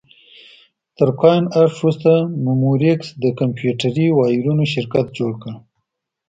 تر کاین ارټ وروسته مموریکس د کمپیوټري وایرونو شرکت جوړ شو.